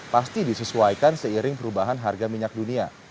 pasti disesuaikan seiring perubahan harga minyak dunia